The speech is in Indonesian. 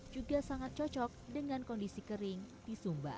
juga sangat cocok dengan kondisi kering di sumba